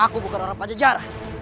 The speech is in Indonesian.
aku bukan orang pajajaran